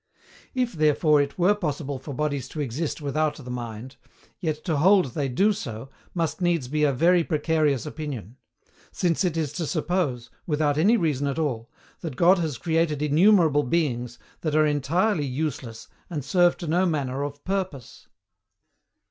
If therefore it were possible for bodies to exist without the mind, yet to hold they do so, must needs be a very precarious opinion; since it is to suppose, without any reason at all, that God has created innumerable beings THAT ARE ENTIRELY USELESS, AND SERVE TO NO MANNER OF PURPOSE.